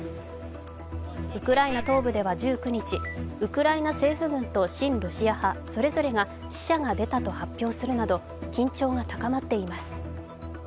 ウクライナ東部では１９日ウクライナ政府軍と親ロシア派それぞれが死者が出たと発表するなど緊張が高まっています。